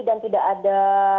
dan tidak ada